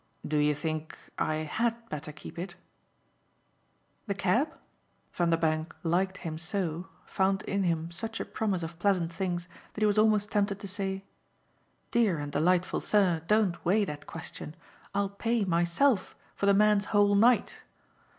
"Do you think I HAD better keep it?" "The cab?" Vanderbank liked him so, found in him such a promise of pleasant things, that he was almost tempted to say: "Dear and delightful sir, don't weigh that question; I'll pay, myself, for the man's whole night!"